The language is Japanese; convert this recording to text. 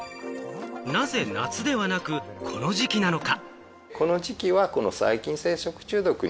なぜ夏ではなく、この時期なのか？